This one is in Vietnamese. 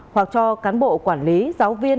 hoặc cho cán bộ quản lý giáo viên